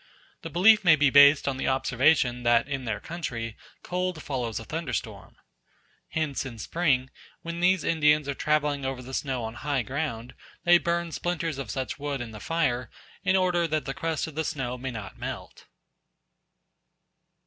The belief may be based on the observation that in their country cold follows a thunder storm. Hence in spring, when these Indians are travelling over the snow on high ground, they burn splinters of such wood in the fire in order that the crust of the snow may not melt.